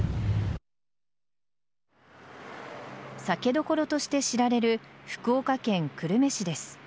酒どころとして知られる福岡県久留米市です。